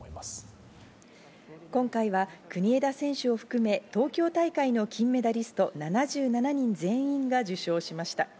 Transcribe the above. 今回は国枝選手を含め東京大会の金メダリストを７７人全員が受章しました。